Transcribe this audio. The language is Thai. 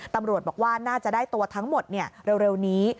ตำรวจบอกว่าน่าจะได้ตัวทั้งหมดเร็วนี้